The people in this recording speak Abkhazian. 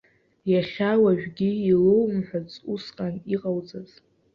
Иахьа уажәгьы илоумҳәац усҟан иҟауҵаз.